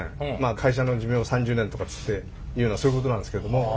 会社の寿命は３０年とかっつっていうのはそういうことなんですけども。